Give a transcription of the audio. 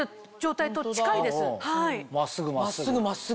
真っすぐ真っすぐ。